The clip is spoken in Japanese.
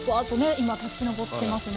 今立ち上ってますね。